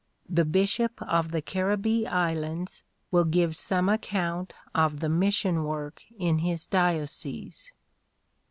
"The Bishop of the Caribbee Islands will give some account of the mission work in his diocese."